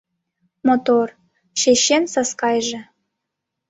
Мотор, чечен Саскайже...